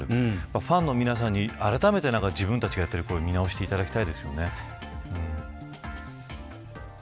ファンの皆さんにあらためて自分たちがやっている行為を見直していただきたいですね。